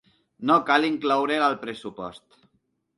No cal incloure’l al pressupost.